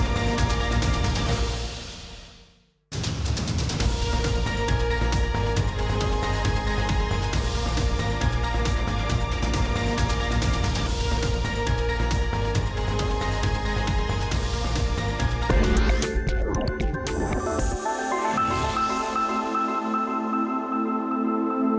โปรดติดตามตอนต่อไป